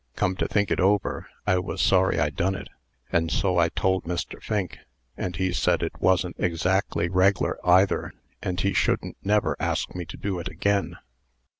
Come to think it over, I was sorry I done it; and so I told Mr. Fink; and he sed it wasn't exackly reg'lar either, and he shouldn't never ask me to do it agen."